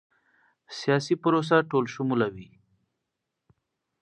سیاسي پروسه ټولشموله وي